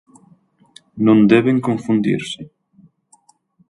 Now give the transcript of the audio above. Non deben confundirse.